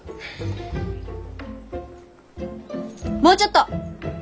もうちょっと！